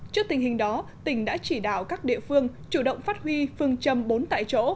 trước tình hình đó tỉnh đã chỉ đạo các địa phương chủ động phát huy phương châm bốn tại chỗ